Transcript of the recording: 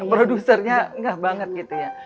producernya gak banget gitu ya